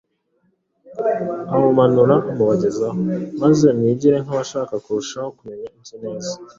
amumanure amubagezeho, maze mwigire nk’abashaka kurushaho kumenya ibye neza.